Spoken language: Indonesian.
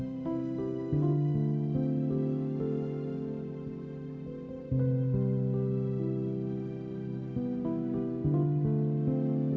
aku mencintaimu henry